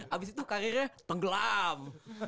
habis itu karirnya tenggelam